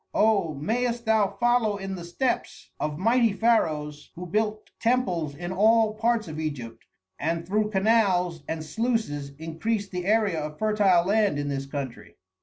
Oh, mayest thou follow in the steps of mighty pharaohs who built temples in all parts of Egypt, and through canals and sluices increased the area of fertile land in this country."